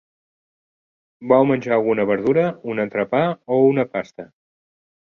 Vol menjar alguna verdura, un entrepà o una pasta?